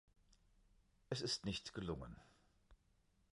Es ist nicht gelungen.